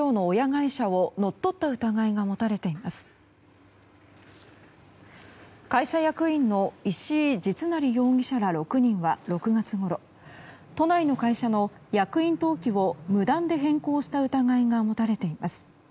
会社役員の石井実成容疑者ら６人は６月ごろ都内の会社の役員登記を無断で変更した疑いが持たれています。